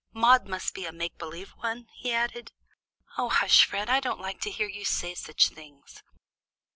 Maude must be a make believe one," he added. "Oh, hush, Fred! I don't like to hear you say such things."